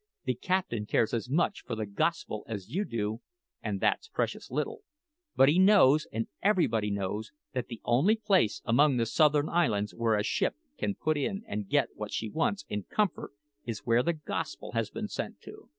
"The captain cares as much for the Gospel as you do (an' that's precious little); but he knows, and everybody knows, that the only place among the southern islands where a ship can put in and get what she wants in comfort is where the Gospel has been sent to.